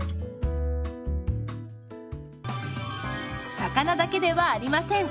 魚だけではありません。